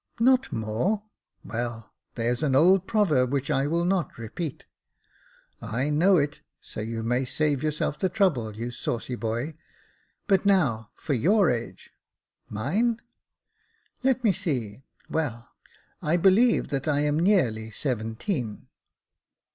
'' Not more ! well there's an old proverb, which I will not repeat." " I know it, so you may save yourself the trouble, you saucy boy ; but now, for your age ?" "Mine! let me see; well, I believe that I am nearly seventeen."